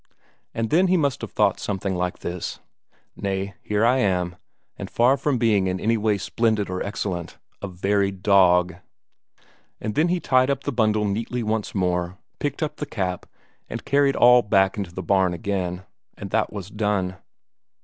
But then he must have thought something like this: "Nay, here am I, and far from being in any way splendid or excellent; a very dog." And then he tied up the bundle neatly once more, picked up the cap, and carried all back into the barn again. And that was done.